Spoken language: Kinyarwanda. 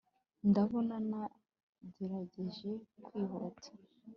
ndabona nagerageje kwihuta